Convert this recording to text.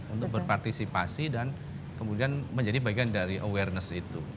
untuk berpartisipasi dan kemudian menjadi bagian dari awareness itu